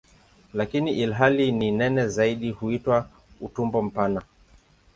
Lakini ilhali ni nene zaidi huitwa "utumbo mpana".